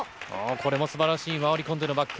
これもすばらしい、回り込んでのバック。